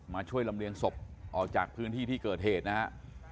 ช่วยลำเลียงศพออกจากพื้นที่ที่เกิดเหตุนะฮะ